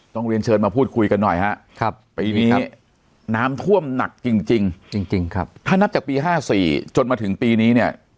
ต้องเรียนเชิญมาพูดคุยกันหน่อยครับปีนี้น้ำท่วมหนักจริงถ้านับจากปี๕๔จนมาถึงปีนี้